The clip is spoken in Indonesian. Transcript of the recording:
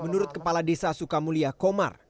menurut kepala desa sukamulia komar